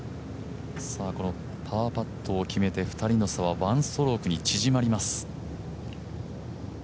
パーパットを決めて２人の差は、１ストロークに縮まります。